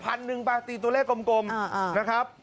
แต่๑๐๐๐กิโลกรัมตีตัวเลขกลมนะครับ